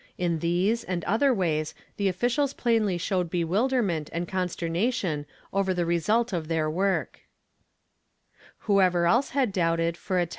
In these and other ways tht officals plainly showed bewilder.nent and con sternation over the result „f tlieir work Whoever else had doubted, for a tin.